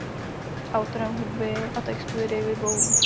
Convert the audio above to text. Autorem hudby a textů je David Bowie.